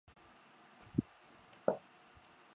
眼下最好的办法就是趁袁谭请求救援而予以安抚。